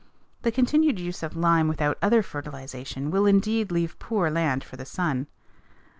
The continued use of lime without other fertilization will indeed leave poor land for the son.